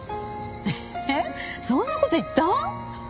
そんな事言った？